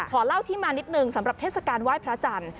เล่าที่มานิดนึงสำหรับเทศกาลไหว้พระจันทร์